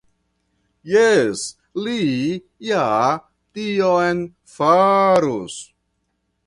Jes, li ja tion faros.